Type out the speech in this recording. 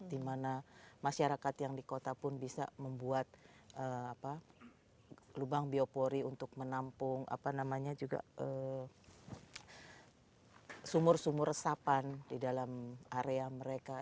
di mana masyarakat yang di kota pun bisa membuat lubang biopori untuk menampung sumur sumur resapan di dalam area mereka